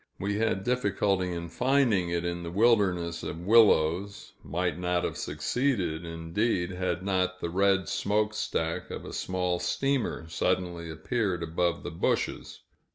We had difficulty in finding it in the wilderness of willows might not have succeeded, indeed, had not the red smokestack of a small steamer suddenly appeared above the bushes.